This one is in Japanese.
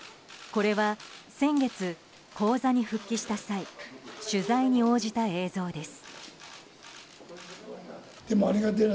これは先月、高座に復帰した際取材に応じた映像です。